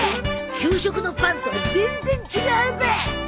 給食のパンとは全然違うぜ。